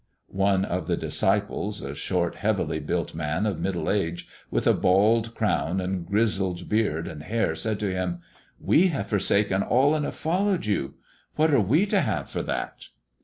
One of the disciples, a short, heavily built man of middle age, with a bald crown and grizzled beard and hair, said to Him: "We have forsaken all and have followed You. What are we to have for that?"